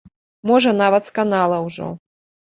Можа нават сканала ўжо.